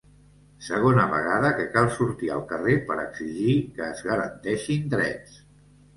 Segona vegada que cal sortir al carrer per exigir que es garanteixin drets.